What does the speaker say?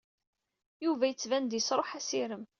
Yuba yettban-d yesṛuḥ assirem.